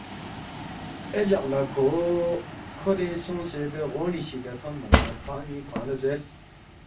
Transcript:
اے جق لہ کھو کھورین سونگسے دے غونی شِدیا تھونما نہ کھوان٘ی کھوانگ لہ زیرس،